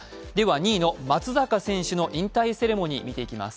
２位の松坂選手の引退セレモニー、見ていきます。